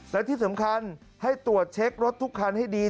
และที่สำคัญให้ตรวจเช็ครถทุกคันให้ดี